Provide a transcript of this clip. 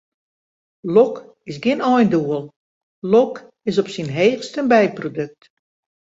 Lok is gjin eindoel, lok is op syn heechst in byprodukt.